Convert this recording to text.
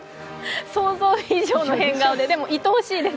想像以上の変顔で、でもいとおしいです。